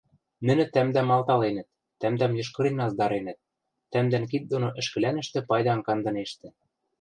Нӹнӹ тӓмдӓм алталенӹт, тӓмдӓм йышкырен аздаренӹт: тӓмдӓн кид доно ӹшкӹлӓнӹштӹ пайдам кандынештӹ...